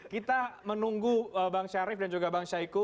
kita menunggu bang sarip dan juga bang seko